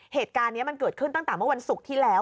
เหตุการณ์นี้มันเกิดขึ้นตั้งแต่เมื่อวันศุกร์ที่แล้ว